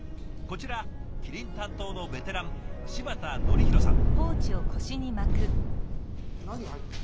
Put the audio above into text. こちらキリン担当のベテラン柴田典弘さん。